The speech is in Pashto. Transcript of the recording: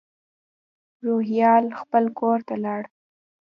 روهیال خپل کور ته لاړ.